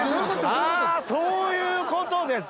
あぁそういうことですか。